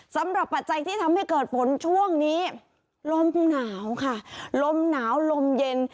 ปัจจัยที่ทำให้เกิดฝนช่วงนี้ลมหนาวค่ะลมหนาวลมเย็น